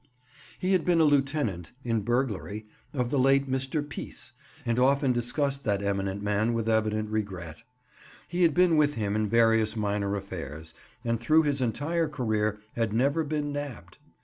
He had been a lieutenant (in burglary) of the late Mr. Peace, and often discussed that eminent man with evident regret. He had been with him in various minor affairs, and through his entire career had never been "nabbed."